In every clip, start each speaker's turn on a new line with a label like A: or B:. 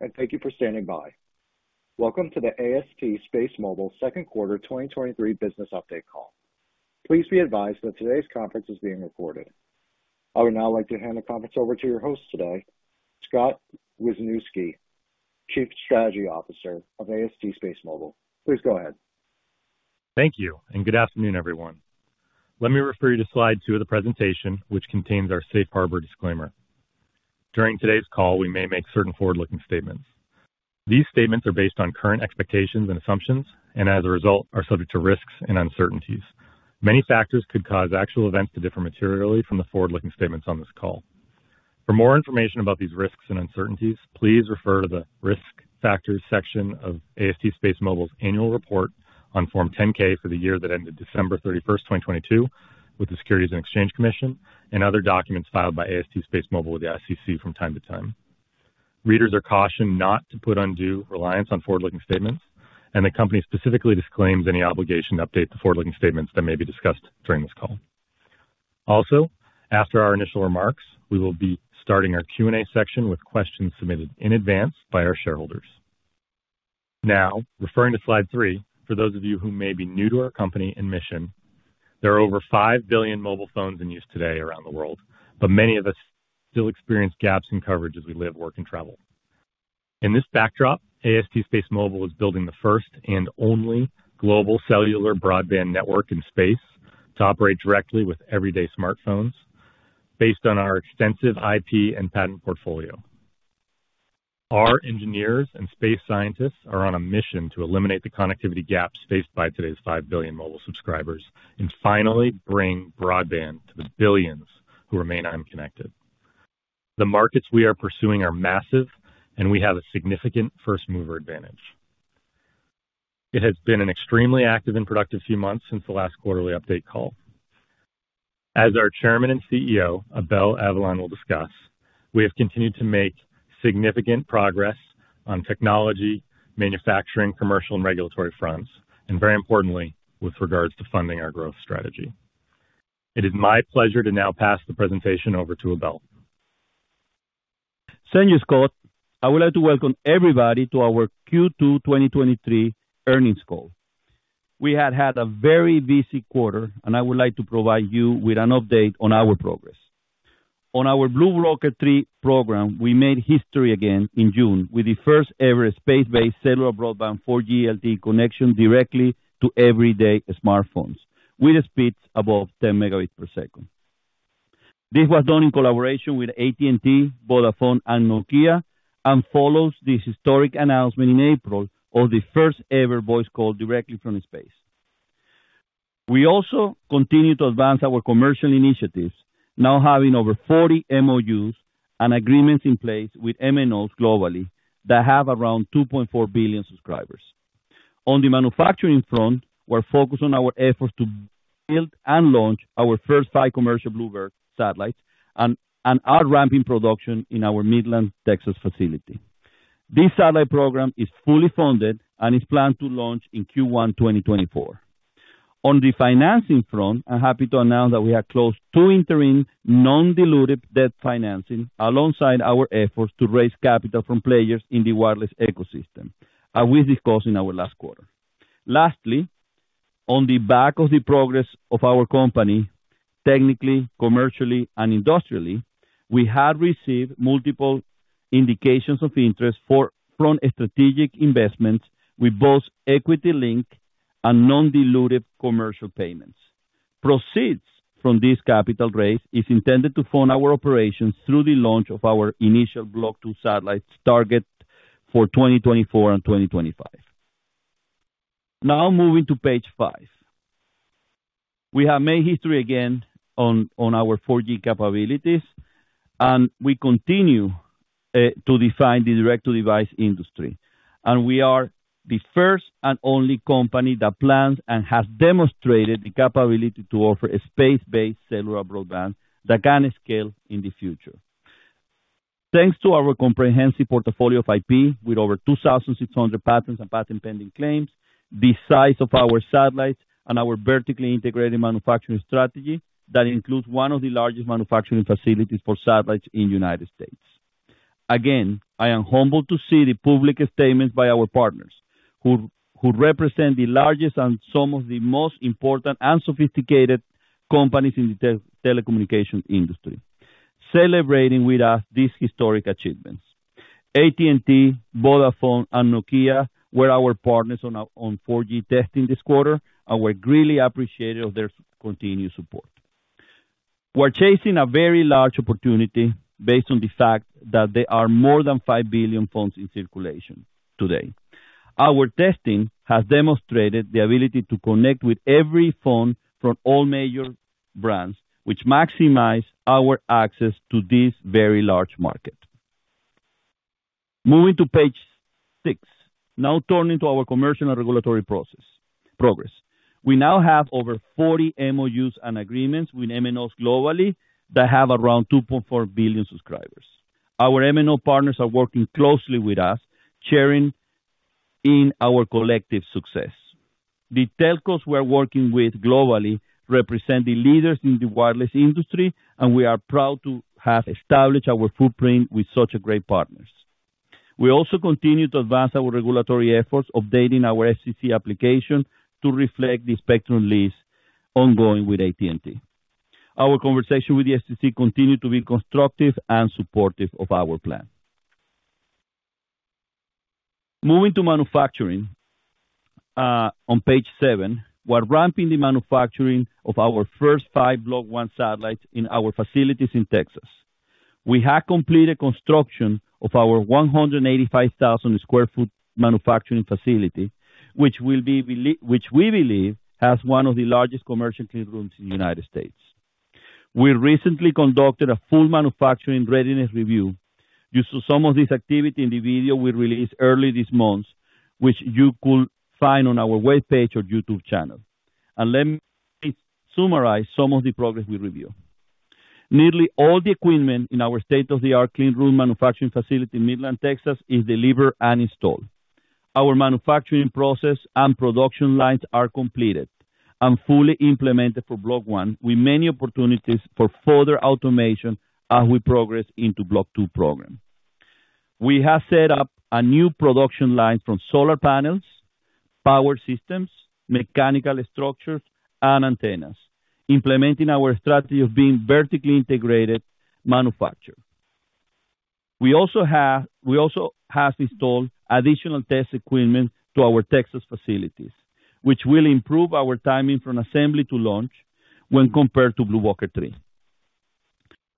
A: Good day, and thank you for standing by. Welcome to the AST SpaceMobile Second Quarter 2023 Business Update Call. Please be advised that today's conference is being recorded. I would now like to hand the conference over to your host today, Scott Wisniewski, Chief Strategy Officer of AST SpaceMobile. Please go ahead.
B: Thank you, and good afternoon, everyone. Let me refer you to slide two of the presentation, which contains our safe harbor disclaimer. During today's call, we may make certain forward-looking statements. These statements are based on current expectations and assumptions, and as a result, are subject to risks and uncertainties. Many factors could cause actual events to differ materially from the forward-looking statements on this call. For more information about these risks and uncertainties, please refer to the Risk Factors section of AST SpaceMobile's annual report on Form 10-K for the year that ended December 31st, 2022, with the Securities and Exchange Commission and other documents filed by AST SpaceMobile with the SEC from time to time. Readers are cautioned not to put undue reliance on forward-looking statements, and the company specifically disclaims any obligation to update the forward-looking statements that may be discussed during this call. After our initial remarks, we will be starting our Q&A section with questions submitted in advance by our shareholders. Referring to slide 3, for those of you who may be new to our company and mission, there are over 5 billion mobile phones in use today around the world, but many of us still experience gaps in coverage as we live, work, and travel. In this backdrop, AST SpaceMobile is building the first and only global cellular broadband network in space to operate directly with everyday smartphones based on our extensive IP and patent portfolio. Our engineers and space scientists are on a mission to eliminate the connectivity gaps faced by today's 5 billion mobile subscribers and finally bring broadband to the billions who remain unconnected. The markets we are pursuing are massive, we have a significant first mover advantage. It has been an extremely active and productive few months since the last quarterly update call. As our Chairman and CEO, Abel Avellan, will discuss, we have continued to make significant progress on technology, manufacturing, commercial and regulatory fronts, and very importantly, with regards to funding our growth strategy. It is my pleasure to now pass the presentation over to Abel.
C: Thank you, Scott. I would like to welcome everybody to our Q2 2023 earnings call. We had had a very busy quarter, and I would like to provide you with an update on our progress. On our BlueWalker 3 program, we made history again in June with the first-ever space-based cellular broadband 4G LTE connection directly to everyday smartphones, with speeds above 10 Mbps. This was done in collaboration with AT&T, Vodafone, and Nokia, and follows the historic announcement in April of the first-ever voice call directly from space. We also continued to advance our commercial initiatives, now having over 40 MOUs and agreements in place with MNOs globally that have around 2.4 billion subscribers. On the manufacturing front, we're focused on our efforts to build and launch our first five commercial BlueBird satellites and are ramping production in our Midland, Texas, facility. This satellite program is fully funded and is planned to launch in Q1 2024. On the financing front, I'm happy to announce that we have closed two interim non-dilutive debt financing alongside our efforts to raise capital from players in the wireless ecosystem, as we discussed in our last quarter. Lastly, on the back of the progress of our company, technically, commercially, and industrially, we have received multiple indications of interest from strategic investments with both equity link and non-dilutive commercial payments. Proceeds from this capital raise is intended to fund our operations through the launch of our initial Block 2 satellites, targeted for 2024 and 2025. Now moving to page five. We have made history again on our 4G capabilities, and we continue to define the direct-to-device industry. We are the first and only company that plans and has demonstrated the capability to offer a space-based cellular broadband that can scale in the future. Thanks to our comprehensive portfolio of IP, with over 2,600 patents and patent pending claims, the size of our satellites and our vertically integrated manufacturing strategy, that includes one of the largest manufacturing facilities for satellites in the United States. Again, I am humbled to see the public statements by our partners, who represent the largest and some of the most important and sophisticated companies in the telecommunications industry, celebrating with us these historic achievements. AT&T, Vodafone, and Nokia were our partners on 4G testing this quarter, and we're greatly appreciative of their continued support. We're chasing a very large opportunity based on the fact that there are more than 5 billion phones in circulation today. Our testing has demonstrated the ability to connect with every phone from all major brands, which maximize our access to this very large market. Moving to page 6. Turning to our commercial and regulatory progress. We now have over 40 MOUs and agreements with MNOs globally that have around 2.4 billion subscribers. Our MNO partners are working closely with us in our collective success. The telcos we're working with globally represent the leaders in the wireless industry, and we are proud to have established our footprint with such great partners. We also continue to advance our regulatory efforts, updating our FCC application to reflect the spectrum lease ongoing with AT&T. Our conversation with the FCC continued to be constructive and supportive of our plan. Moving to manufacturing, on page 7, we're ramping the manufacturing of our first 5 Block 1 satellites in our facilities in Texas. We have completed construction of our 185,000 sq ft manufacturing facility, which we believe, has one of the largest commercial clean rooms in the United States. We recently conducted a full manufacturing readiness review. You saw some of this activity in the video we released early this month, which you could find on our webpage or YouTube channel. Let me summarize some of the progress we review. Nearly all the equipment in our state-of-the-art clean room manufacturing facility in Midland, Texas, is delivered and installed. Our manufacturing process and production lines are completed and fully implemented for Block 1, with many opportunities for further automation as we progress into Block 2 program. We have set up a new production line from solar panels, power systems, mechanical structures, and antennas, implementing our strategy of being vertically integrated manufacturer. We also have, we also have installed additional test equipment to our Texas facilities, which will improve our timing from assembly to launch when compared to BlueWalker 3.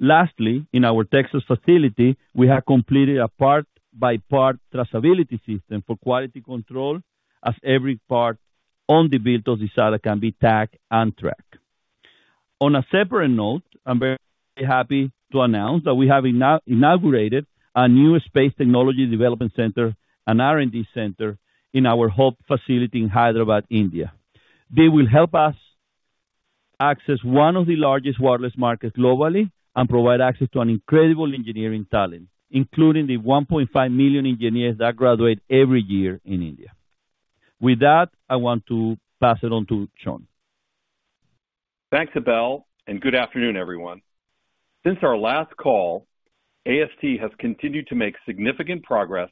C: Lastly, in our Texas facility, we have completed a part-by-part traceability system for quality control, as every part on the built of the satellite can be tagged and tracked. On a separate note, I'm very happy to announce that we have inaugurated our new Space Technology Development Center and R&D center in our hub facility in Hyderabad, India. They will help us access one of the largest wireless markets globally and provide access to an incredible engineering talent, including the 1.5 million engineers that graduate every year in India. With that, I want to pass it on to Sean.
D: Thanks, Abel, and good afternoon, everyone. Since our last call, AST has continued to make significant progress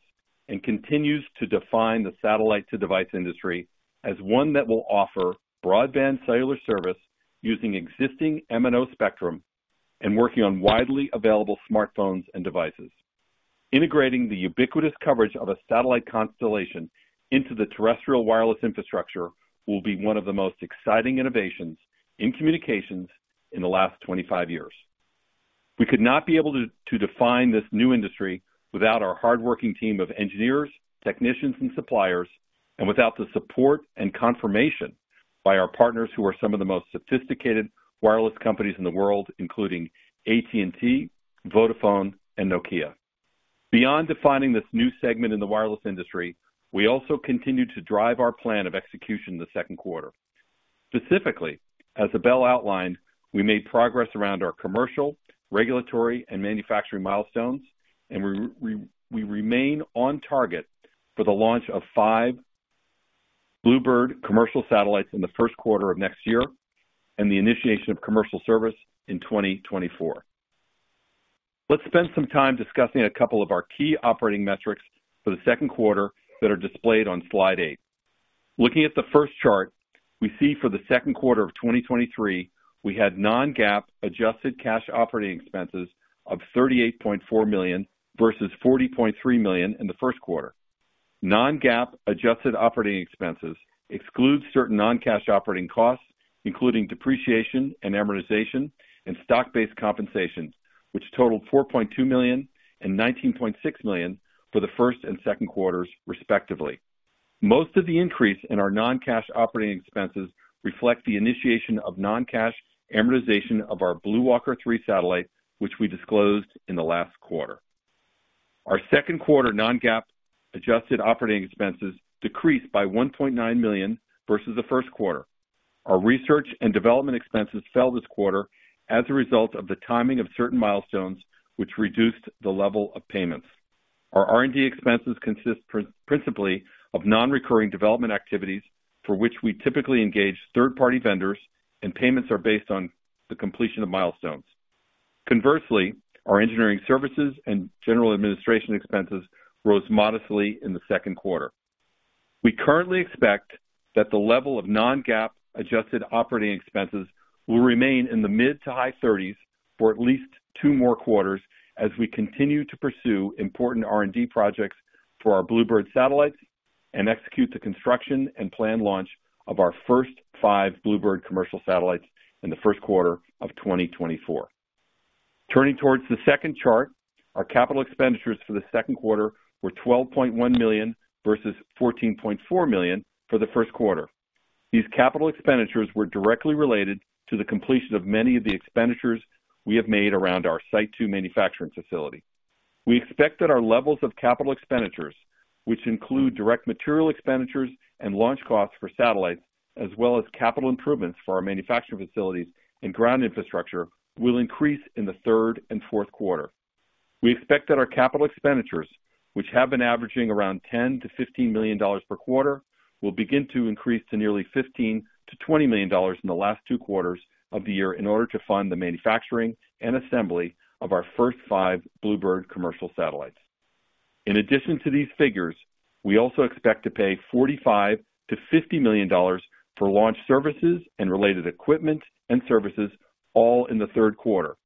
D: and continues to define the satellite-to-device industry as one that will offer broadband cellular service using existing MNO spectrum and working on widely available smartphones and devices. Integrating the ubiquitous coverage of a satellite constellation into the terrestrial wireless infrastructure will be one of the most exciting innovations in communications in the last 25 years. We could not be able to define this new industry without our hardworking team of engineers, technicians, and suppliers, and without the support and confirmation by our partners who are some of the most sophisticated wireless companies in the world, including AT&T, Vodafone, and Nokia. Beyond defining this new segment in the wireless industry, we also continued to drive our plan of execution in the second quarter. Specifically, as Abel outlined, we made progress around our commercial, regulatory, and manufacturing milestones, we remain on target for the launch of five BlueBird commercial satellites in the first quarter of next year and the initiation of commercial service in 2024. Let's spend some time discussing a couple of our key operating metrics for the second quarter that are displayed on slide eight. Looking at the first chart, we see for the second quarter of 2023, we had non-GAAP adjusted cash operating expenses of $38.4 million versus $40.3 million in the first quarter. Non-GAAP adjusted operating expenses exclude certain non-cash operating costs, including depreciation and amortization and stock-based compensation, which totaled $4.2 million and $19.6 million for the first and second quarters, respectively. Most of the increase in our non-cash operating expenses reflect the initiation of non-cash amortization of our BlueWalker 3 satellite, which we disclosed in the last quarter. Our second quarter non-GAAP adjusted operating expenses decreased by $1.9 million versus the first quarter. Our research and development expenses fell this quarter as a result of the timing of certain milestones, which reduced the level of payments. Our R&D expenses consist principally of non-recurring development activities for which we typically engage third-party vendors and payments are based on the completion of milestones. Conversely, our engineering services and general administration expenses rose modestly in the second quarter. We currently expect that the level of non-GAAP adjusted operating expenses will remain in the mid to high thirties for at least two more quarters as we continue to pursue important R&D projects for our BlueBird satellites and execute the construction and planned launch of our first 5 BlueBird commercial satellites in the first quarter of 2024. Turning towards the second chart, our capital expenditures for the second quarter were $12.1 million versus $14.4 million for the first quarter. These capital expenditures were directly related to the completion of many of the expenditures we have made around our Site Two manufacturing facility. We expect that our levels of capital expenditures, which include direct material expenditures and launch costs for satellites, as well as capital improvements for our manufacturing facilities and ground infrastructure, will increase in the third and fourth quarter. We expect that our capital expenditures, which have been averaging around $10 million-$15 million per quarter, will begin to increase to nearly $15 million-$20 million in the last 2 quarters of the year in order to fund the manufacturing and assembly of our first 5 BlueBird commercial satellites. In addition to these figures, we also expect to pay $45 million-$50 million for launch services and related equipment and services, all in the third quarter.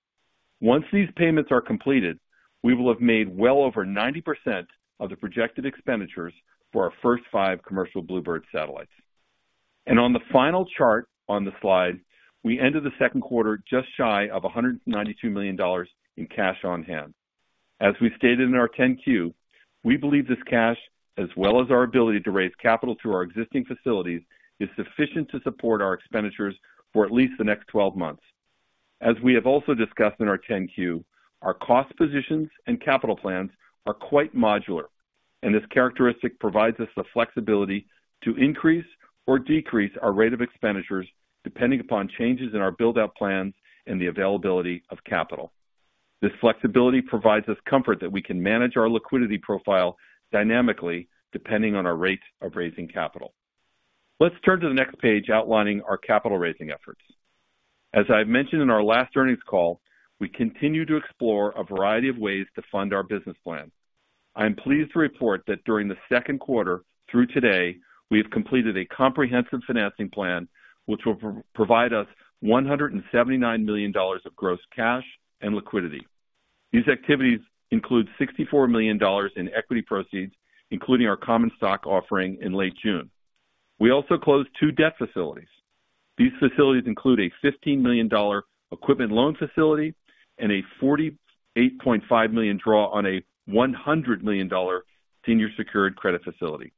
D: Once these payments are completed, we will have made well over 90% of the projected expenditures for our first 5 commercial BlueBird satellites. On the final chart on the slide, we ended the second quarter just shy of $192 million in cash on hand. As we stated in our ten Q, we believe this cash, as well as our ability to raise capital through our existing facilities, is sufficient to support our expenditures for at least the next 12 months. As we have also discussed in our ten Q, our cost positions and capital plans are quite modular. This characteristic provides us the flexibility to increase or decrease our rate of expenditures, depending upon changes in our build-out plans and the availability of capital. This flexibility provides us comfort that we can manage our liquidity profile dynamically, depending on our rate of raising capital. Let's turn to the next page outlining our capital raising efforts. As I've mentioned in our last earnings call, we continue to explore a variety of ways to fund our business plan. I am pleased to report that during the second quarter through today, we have completed a comprehensive financing plan which will provide us $179 million of gross cash and liquidity. These activities include $64 million in equity proceeds, including our common stock offering in late June. We also closed two debt facilities. These facilities include a $15 million equipment loan facility and a $48.5 million draw on a $100 million senior secured credit facility.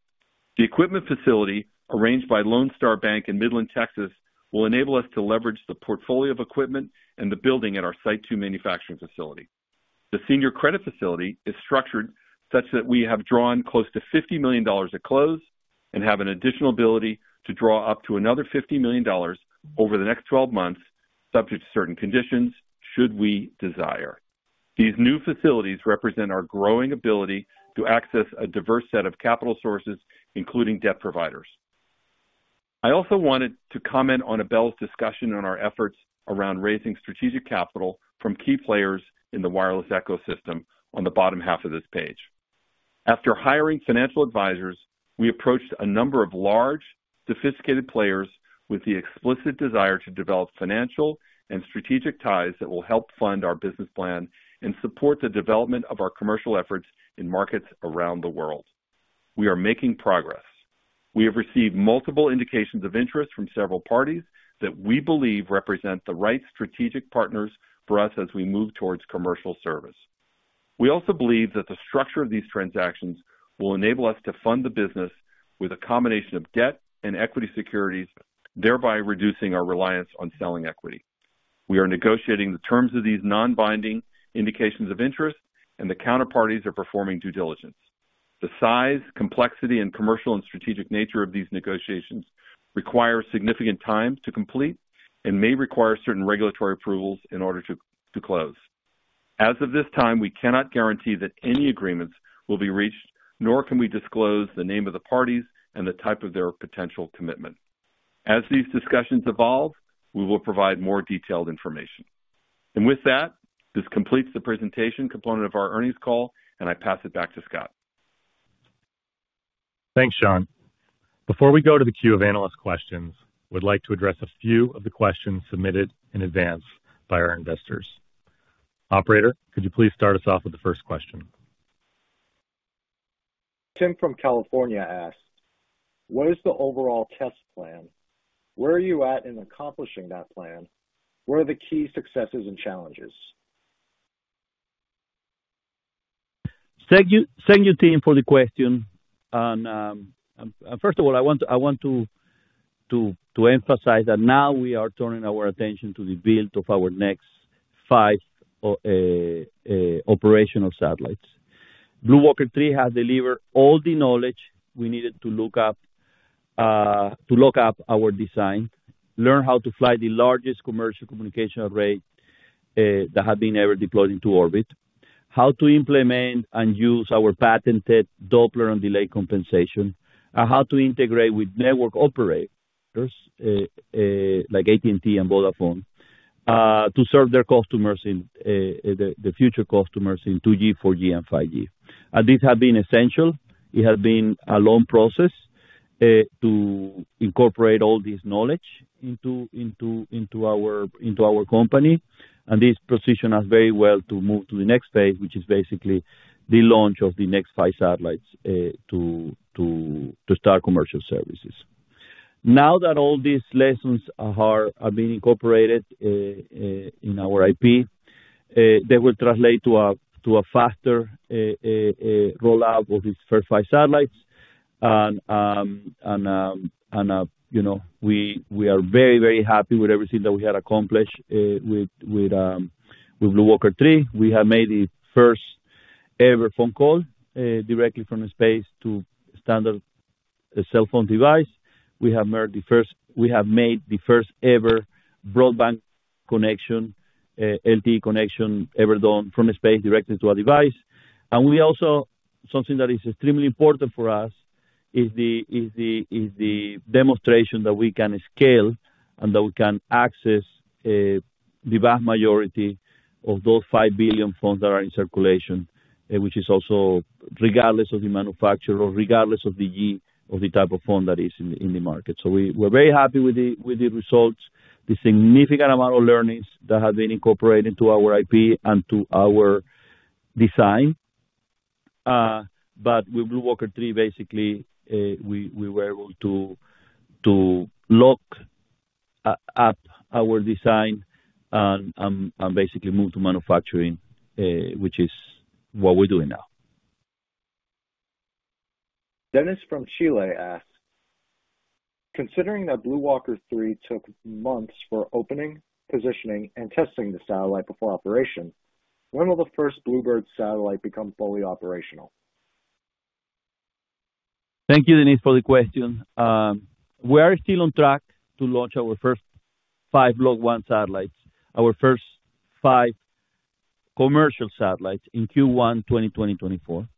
D: The equipment facility, arranged by Lone Star Bank in Midland, Texas, will enable us to leverage the portfolio of equipment and the building at our Site Two manufacturing facility. The senior credit facility is structured such that we have drawn close to $50 million at close and have an additional ability to draw up to another $50 million over the next 12 months, subject to certain conditions, should we desire. These new facilities represent our growing ability to access a diverse set of capital sources, including debt providers. I also wanted to comment on Abel's discussion on our efforts around raising strategic capital from key players in the wireless ecosystem on the bottom half of this page. After hiring financial advisors, we approached a number of large, sophisticated players with the explicit desire to develop financial and strategic ties that will help fund our business plan and support the development of our commercial efforts in markets around the world. We are making progress. We have received multiple indications of interest from several parties that we believe represent the right strategic partners for us as we move towards commercial service. We also believe that the structure of these transactions will enable us to fund the business with a combination of debt and equity securities, thereby reducing our reliance on selling equity. We are negotiating the terms of these non-binding indications of interest, and the counterparties are performing due diligence. The size, complexity, and commercial and strategic nature of these negotiations require significant time to complete and may require certain regulatory approvals in order to close. As of this time, we cannot guarantee that any agreements will be reached, nor can we disclose the name of the parties and the type of their potential commitment. As these discussions evolve, we will provide more detailed information. With that, this completes the presentation component of our earnings call, and I pass it back to Scott.
B: Thanks, Sean. Before we go to the queue of analyst questions, we'd like to address a few of the questions submitted in advance by our investors. Operator, could you please start us off with the first question?
A: Tim from California asks: What is the overall test plan? Where are you at in accomplishing that plan? What are the key successes and challenges?
C: Thank you. Thank you, Tim, for the question. First of all, I want to emphasize that now we are turning our attention to the build of our next 5 operational satellites. BlueWalker 3 has delivered all the knowledge we needed to look up our design, learn how to fly the largest commercial communication array that have been ever deployed into orbit, how to implement and use our patented Doppler and delay compensation, and how to integrate with network operators like AT&T and Vodafone to serve their customers in the future customers in 2G, 4G, and 5G. This has been essential. It has been a long process to incorporate all this knowledge into our company. This positions us very well to move to the next phase, which is basically the launch of the next 5 satellites to start commercial services. Now that all these lessons are being incorporated in our IP, they will translate to a faster rollout of these first 5 satellites. You know, we are very, very happy with everything that we have accomplished with BlueWalker 3. We have made the first-ever phone call directly from space to standard cell phone device. We have made the first-ever broadband connection, LTE connection ever done from space directly to a device. We also, something that is extremely important for us is the demonstration that we can scale and that we can access the vast majority of those 5 billion phones that are in circulation, which is also regardless of the manufacturer or regardless of the year or the type of phone that is in the market. We're very happy with the results, the significant amount of learnings that have been incorporated into our IP and to our design. With BlueWalker 3, basically, we were able to lock up our design and basically move to manufacturing, which is what we're doing now.
A: Dennis from Chile asks: Considering that BlueWalker 3 took months for opening, positioning, and testing the satellite before operation, when will the first BlueBird satellite become fully operational?
C: Thank you, Dennis, for the question. We are still on track to launch our first five Block 1 satellites, our first five commercial satellites in Q1 2024.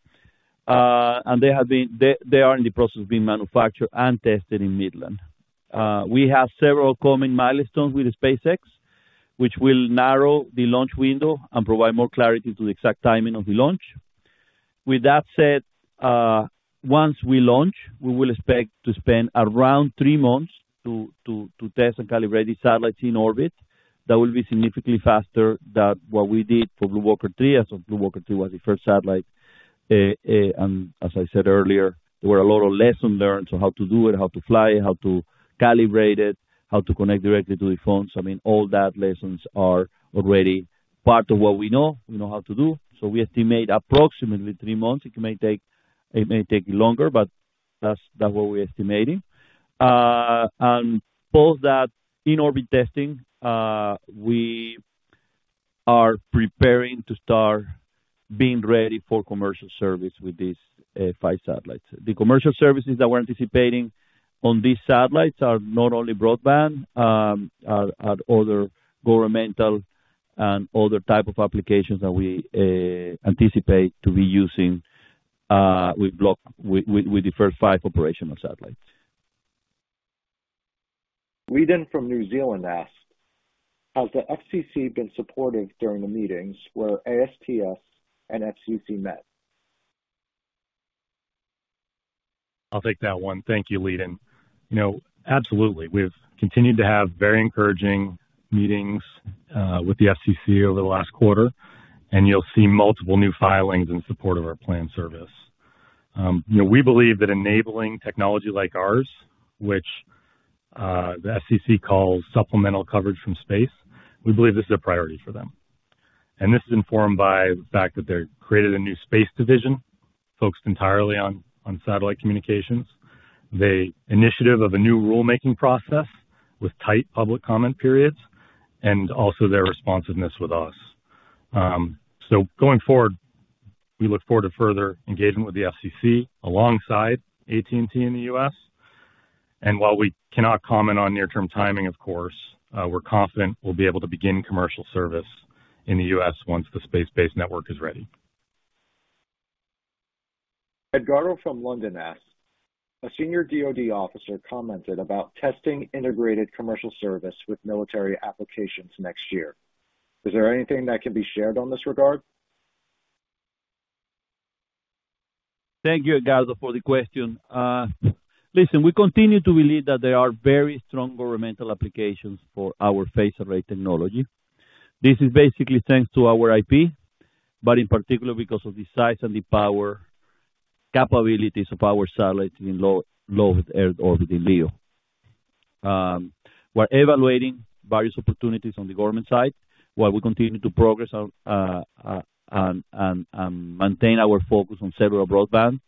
C: They have been, they, they are in the process of being manufactured and tested in Midland. We have several common milestones with SpaceX, which will narrow the launch window and provide more clarity to the exact timing of the launch. With that said, once we launch, we will expect to spend around 3 months to test and calibrate the satellites in orbit. That will be significantly faster than what we did for BlueWalker 3, as of BlueWalker 3 was the first satellite. As I said earlier, there were a lot of lessons learned on how to do it, how to fly, how to calibrate it, how to connect directly to the phones. I mean, all that lessons are already part of what we know, we know how to do. We estimate approximately three months. It may take, it may take longer, but that's, that's what we're estimating. Both that in-orbit testing, we are preparing to start being ready for commercial service with these five satellites. The commercial services that we're anticipating on these satellites are not only broadband, and other governmental and other type of applications that we anticipate to be using with Block, the first five operational satellites.
A: Ledin from New Zealand asks: Has the FCC been supportive during the meetings where ASTS and FCC met?
B: I'll take that one. Thank you, Ledin. You know, absolutely. We've continued to have very encouraging meetings with the FCC over the last quarter, and you'll see multiple new filings in support of our planned service. You know, we believe that enabling technology like ours, which the FCC calls supplemental coverage from space, we believe this is a priority for them. This is informed by the fact that they created a new space division focused entirely on, on satellite communications. The initiative of a new rulemaking process with tight public comment periods and also their responsiveness with us. Going forward, we look forward to further engagement with the FCC alongside AT&T in the US. While we cannot comment on near-term timing, of course, we're confident we'll be able to begin commercial service in the US once the space-based network is ready.
A: Edgardo from London asks: A senior DoD officer commented about testing integrated commercial service with military applications next year. Is there anything that can be shared on this regard?
C: Thank you, Edgardo, for the question. Listen, we continue to believe that there are very strong governmental applications for our phased array technology. This is basically thanks to our IP, in particular because of the size and the power capabilities of our satellites in low, low-earth orbit in LEO. We're evaluating various opportunities on the government side, while we continue to progress on and maintain our focus on several broadband.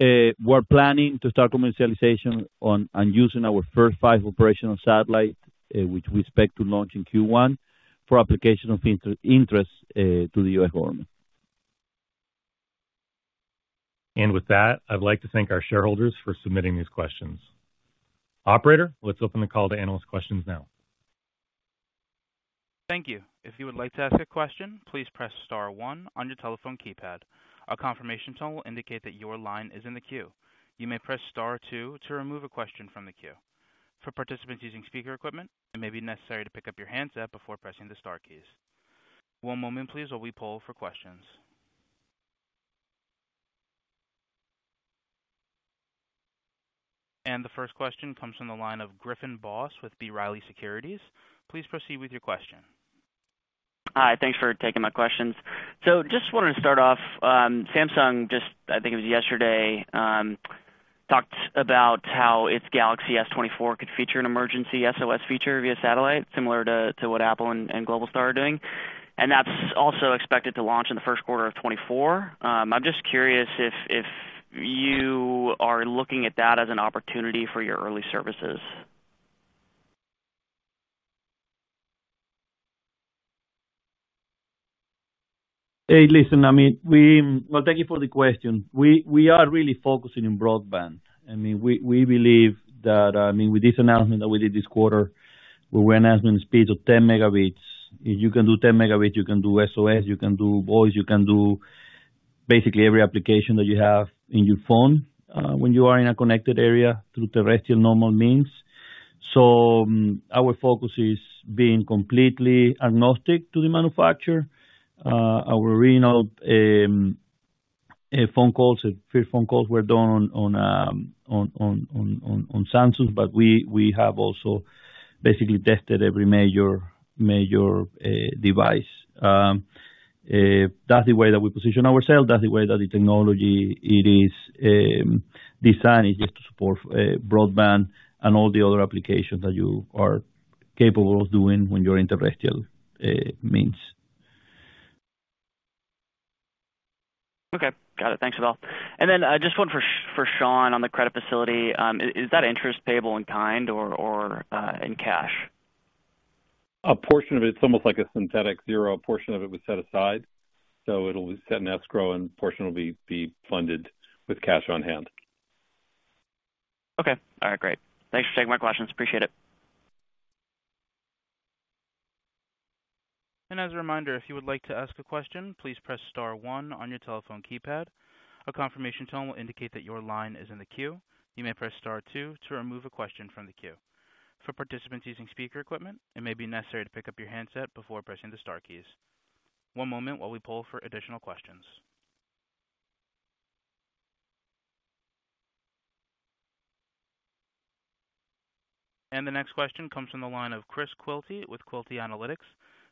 C: We're planning to start commercialization on using our first 5 operational satellites, which we expect to launch in Q1 for application of inter-interest to the US government.
B: With that, I'd like to thank our shareholders for submitting these questions. Operator, let's open the call to analyst questions now.
A: Thank you.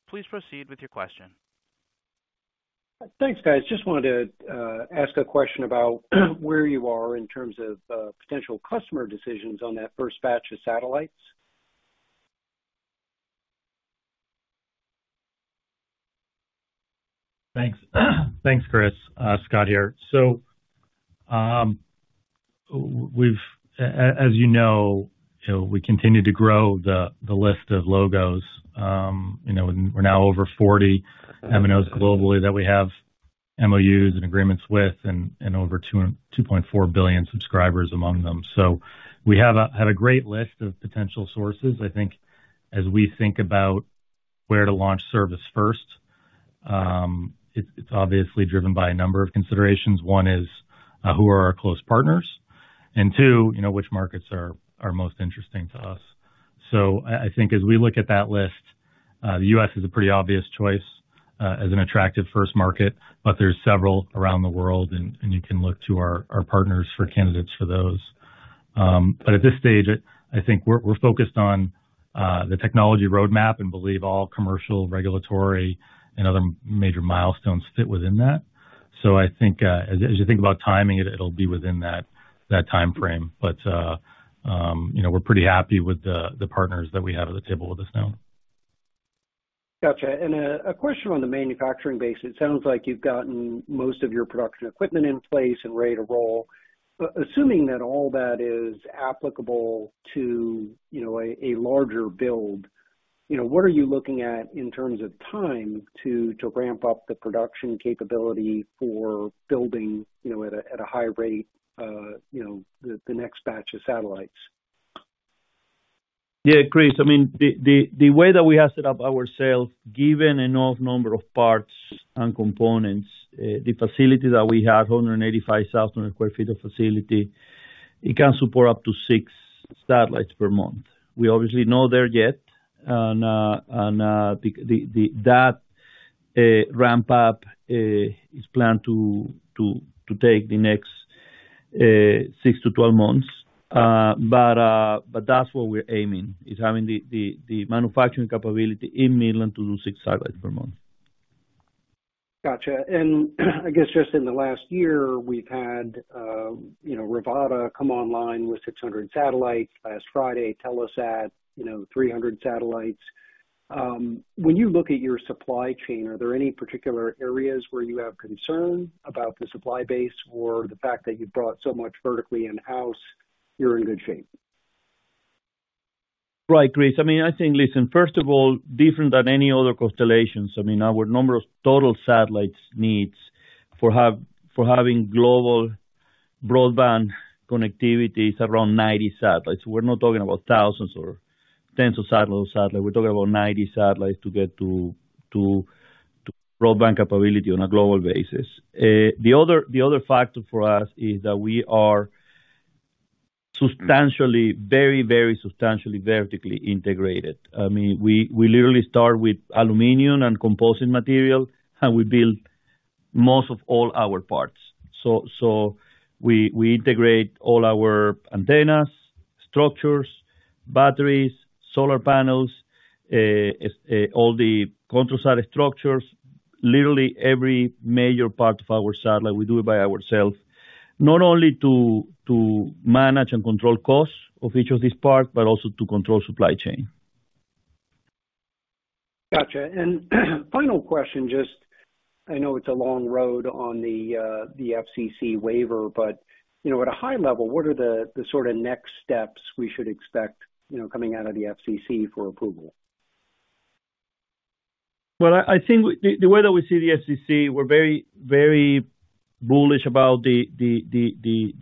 A: Please proceed with your question.
E: Thanks, guys. Just wanted to ask a question about where you are in terms of potential customer decisions on that first batch of satellites.
B: Thanks. Thanks, Chris. Scott here. As you know, we continue to grow the list of logos. You know, we're now over 40 MNOs globally that we have MOUs and agreements with, and over 2.4 billion subscribers among them. We have a great list of potential sources. I think as we think about where to launch service first, it's obviously driven by a number of considerations. One is who are our close partners, and two, you know, which markets are most interesting to us. I think as we look at that list, the U.S. is a pretty obvious choice as an attractive first market, but there's several around the world, and you can look to our partners for candidates for those. At this stage, I think we're, we're focused on the technology roadmap and believe all commercial, regulatory, and other major milestones fit within that. I think, as, as you think about timing, it'll be within that, that timeframe. You know, we're pretty happy with the, the partners that we have at the table with us now.
E: Gotcha. A question on the manufacturing base. It sounds like you've gotten most of your production equipment in place and ready to roll. Assuming that all that is applicable to, you know, a, a larger build, you know, what are you looking at in terms of time to ramp up the production capability for building, you know, at a, at a high rate, you know, the next batch of satellites?
C: Yeah, Chris, I mean, the way that we have set up ourselves, given an odd number of parts and components, the facility that we have, 185,000 sq ft of facility, it can support up to 6 satellites per month. We're obviously not there yet, and that ramp up is planned to take the next 6-12 months. That's what we're aiming, is having the manufacturing capability in Midland to do 6 satellites per month.
E: Gotcha. I guess just in the last year, we've had, you know, Rivada come online with 600 satellites. Last Friday, Telesat, you know, 300 satellites. When you look at your supply chain, are there any particular areas where you have concern about the supply base or the fact that you've brought so much vertically in-house, you're in good shape?
C: Right, Chris. I mean, I think, listen, first of all, different than any other constellations, I mean, our number of total satellites needs for having global broadband connectivity is around 90 satellites. We're not talking about thousands or tens of thousands of satellites. We're talking about 90 satellites to get to broadband capability on a global basis. The other, the other factor for us is that we are substantially, very, very substantially vertically integrated. I mean, we, we literally start with aluminum and composite material, and we build most of all our parts. We, we integrate all our antennas, structures, batteries, solar panels, all the control side structures. Literally, every major part of our satellite, we do it by ourselves. Not only to manage and control costs of each of these parts, but also to control supply chain.
E: Gotcha. Final question. I know it's a long road on the FCC waiver, but, you know, at a high level, what are the sort of next steps we should expect, you know, coming out of the FCC for approval?
C: Well, I think the way that we see the FCC, we're very, very bullish about the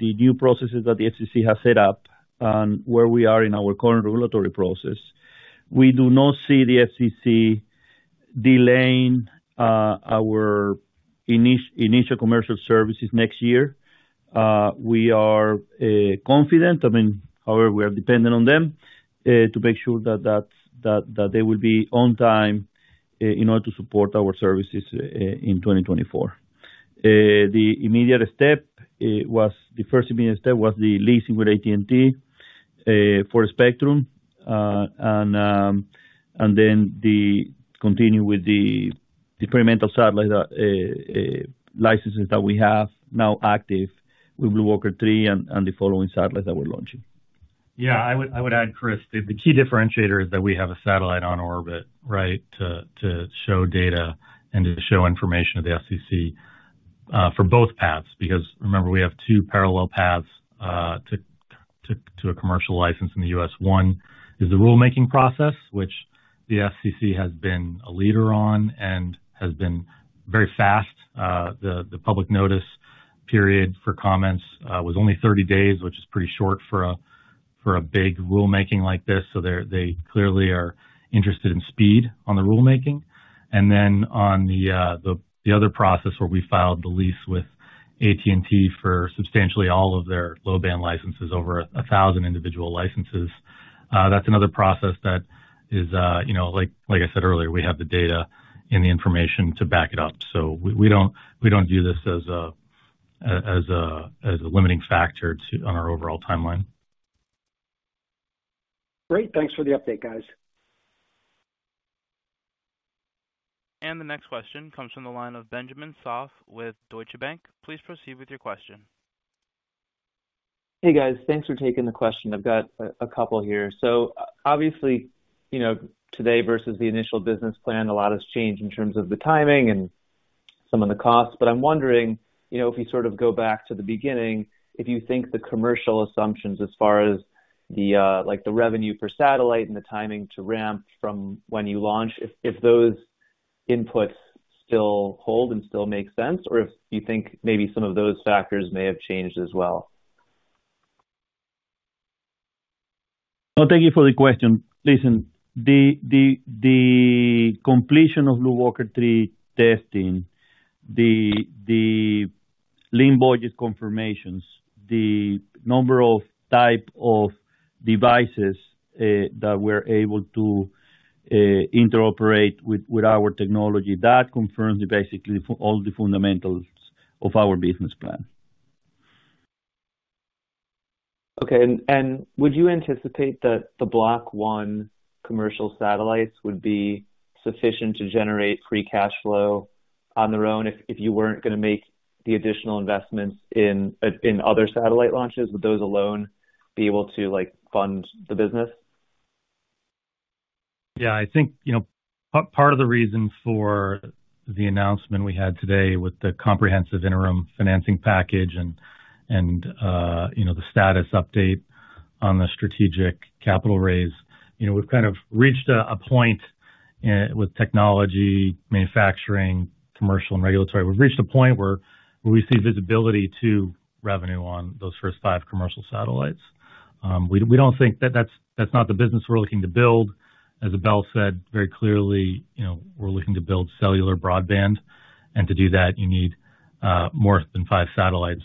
C: new processes that the FCC has set up and where we are in our current regulatory process. We do not see the FCC delaying our initial commercial services next year. We are confident, I mean, however, we are dependent on them to make sure that they will be on time in order to support our services in 2024. The immediate step was the first immediate step, was the leasing with AT&T for spectrum. The continue with the experimental satellite licenses that we have now active with BlueWalker 3 and the following satellites that we're launching.
B: Yeah, I would, I would add, Chris, the, the key differentiator is that we have a satellite on orbit, right, to show data and to show information to the FCC for both paths. Remember, we have two parallel paths to a commercial license in the US. One is the rulemaking process, which the FCC has been a leader on and has been very fast. The, the public notice period for comments was only 30 days, which is pretty short for a big rulemaking like this. They clearly are interested in speed on the rulemaking. Then, on the, the other process, where we filed the lease with AT&T for substantially all of their low-band licenses, over 1,000 individual licenses. That's another process that is, you know, like, like I said earlier, we have the data and the information to back it up. We, we don't, we don't view this as a, as a, as a limiting factor to, on our overall timeline.
E: Great. Thanks for the update, guys.
A: The next question comes from the line of Benjamin Soff with Deutsche Bank. Please proceed with your question.
F: Hey, guys. Thanks for taking the question. I've got a couple here. Obviously, you know, today versus the initial business plan, a lot has changed in terms of the timing and some of the costs. I'm wondering, you know, if you sort of go back to the beginning, if you think the commercial assumptions as far as the, like, the revenue per satellite and the timing to ramp from when you launch, if those inputs still hold and still make sense, or if you think maybe some of those factors may have changed as well?
C: Well, thank you for the question. Listen, the completion of BlueWalker 3 testing, the link budget confirmations, the number of type of devices that we're able to interoperate with, with our technology, that confirms basically all the fundamentals of our business plan.
F: Okay. Would you anticipate that the Block 1 commercial satellites would be sufficient to generate free cash flow on their own, if, if you weren't gonna make the additional investments in, in other satellite launches? Would those alone be able to, like, fund the business?
C: Yeah, I think, you know, part of the reason for the announcement we had today with the comprehensive interim financing package and, and, you know, the status update on the strategic capital raise, you know, we've kind of reached a, a point with technology, manufacturing, commercial and regulatory. We've reached a point where we see visibility to revenue on those first 5 commercial satellites. We don't, we don't think that that's, that's not the business we're looking to build. As Abel said, very clearly, you know, we're looking to build cellular broadband, and to do that, you need more than 5 satellites.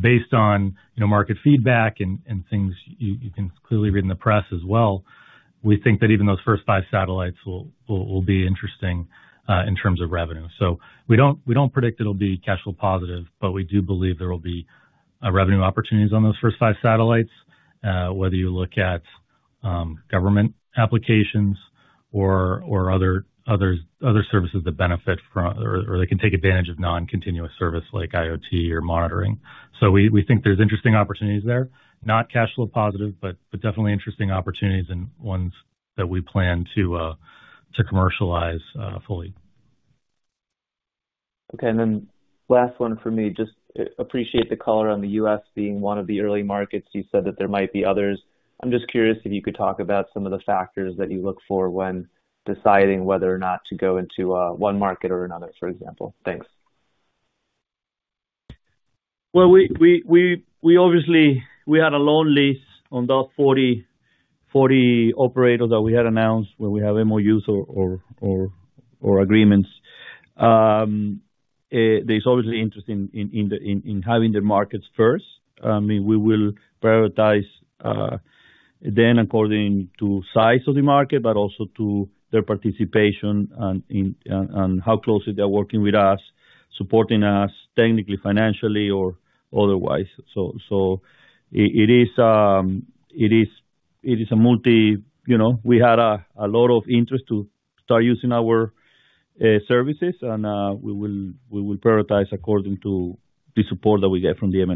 C: Based on, you know, market feedback and, and things you, you can clearly read in the press as well, we think that even those first 5 satellites will, will, will be interesting in terms of revenue. We don't, we don't predict it'll be cash flow positive, but we do believe there will be revenue opportunities on those first five satellites. Whether you look at government applications or, or other, others, other services that benefit from, or, or they can take advantage of non-continuous service like IoT or monitoring. We, we think there's interesting opportunities there. Not cash flow positive, but, but definitely interesting opportunities and ones that we plan to commercialize fully.
F: Okay, and then last one for me. Just appreciate the color on the US being one of the early markets. You said that there might be others. I'm just curious if you could talk about some of the factors that you look for when deciding whether or not to go into one market or another, for example. Thanks.
C: Well, we obviously, we had a long list on the 40, 40 operators that we had announced, where we have MOUs or agreements. There's obviously interest in having the markets first. I mean, we will prioritize then according to size of the market, but also to their participation and how closely they're working with us, supporting us technically, financially or otherwise. It is a multi... You know, we had a lot of interest to start using our services, and we will prioritize according to the support that we get from the MNOs.